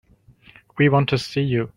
We want to see you.